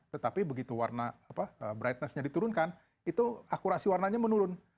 tetapi begitu brightnessnya diturunkan itu akurasi warnanya menurun